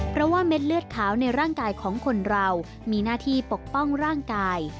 เพราะว่าเม็ดเลือดขาวในร่างกายของคนเรามีหน้าที่ปกป้องร่างกาย